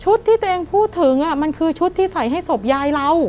ที่ตัวเองพูดถึงมันคือชุดที่ใส่ให้ศพยายเรา